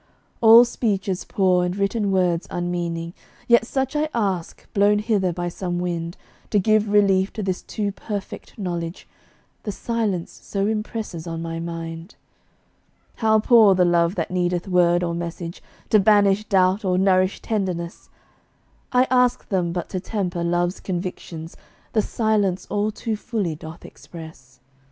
All speech is poor, and written words unmeaning; Yet such I ask, blown hither by some wind, To give relief to this too perfect knowledge, The Silence so impresses on my mind. How poor the love that needeth word or message, To banish doubt or nourish tenderness! I ask them but to temper love's convictions The Silence all too fully doth express.